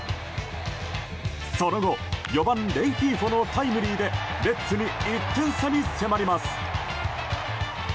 その後、４番レンヒーフォのタイムリーでレッズに１点差に迫ります。